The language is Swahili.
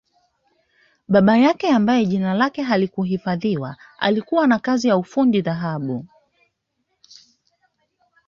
Baba yake ambaye jina lake halikuhifadhiwa alikuwa na kazi ya fundi dhahabu